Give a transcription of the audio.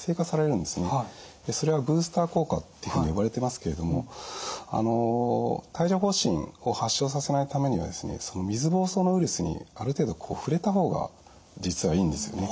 でそれはブースター効果っていうふうに呼ばれてますけれども帯状ほう疹を発症させないためにはですねその水ぼうそうのウイルスにある程度触れた方が実はいいんですよね。